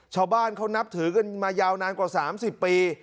ชาวบ้านเขานับถือกันมายาวนานกว่า๓๐ปี